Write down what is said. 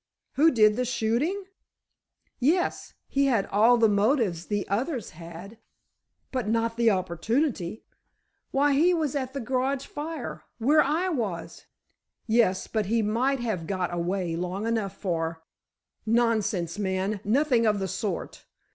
"Who did the shooting?" "Yes; he had all the motives the others had——" "But not opportunity. Why, he was at the garage fire—where I was——" "Yes, but he might have got away long enough for——" "Nonsense, man, nothing of the sort!